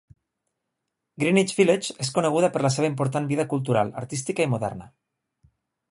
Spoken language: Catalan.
Greenwich Village és coneguda per la seva important vida cultural, artística i moderna.